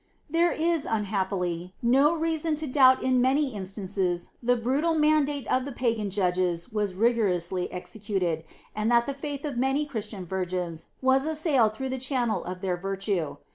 There is, unhappily, no reason to doubt that in many instances the brutal mandate of the pagan judges was rigorously executed, and that the faith of many Christian virgins was assailed through the channel of their virtue.